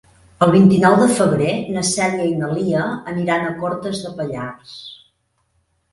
El vint-i-nou de febrer na Cèlia i na Lia aniran a Cortes de Pallars.